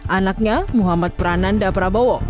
anaknya muhammad prananda prabowo